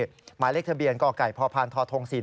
หมายเลขทะเบียนกไก่พพทธ๔๔